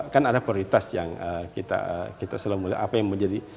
kan ada prioritas yang kita selalu melihat apa yang mau jadi